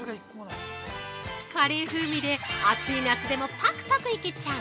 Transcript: カレー風味で暑い夏でもパクパクいけちゃう！